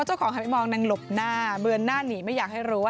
ชายหนุ่มในคลิปที่กำลังนั่งกินขนมปังอย่างสบายอารมณ์นะคะ